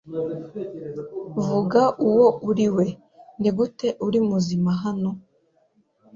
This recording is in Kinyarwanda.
Vuga uwo uri we Nigute uri muzima hano